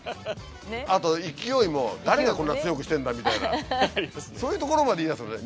あと勢いも誰がこんな強くしてるんだみたいなそういうところまで言いだすのね。